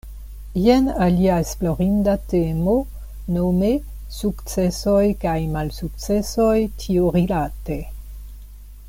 Jen alia esplorinda temo, nome sukcesoj kaj malsukcesoj tiurilate.